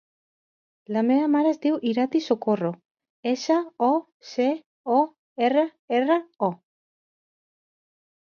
La meva mare es diu Irati Socorro: essa, o, ce, o, erra, erra, o.